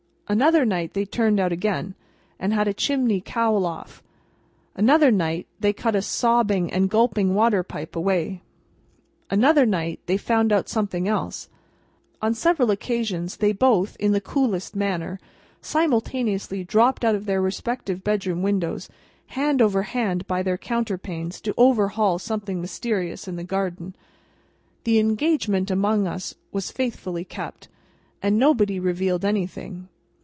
Another night, they turned out again, and had a chimney cowl off. Another night, they cut a sobbing and gulping water pipe away. Another night, they found out something else. On several occasions, they both, in the coolest manner, simultaneously dropped out of their respective bedroom windows, hand over hand by their counterpanes, to "overhaul" something mysterious in the garden. The engagement among us was faithfully kept, and nobody revealed anything.